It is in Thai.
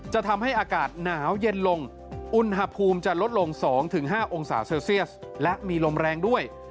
จะทำให้อากาศหนาวเย็นลงอุณหภูมิจะลดลง๒๕องศาเซลเซียสและมีลมแรงด้วย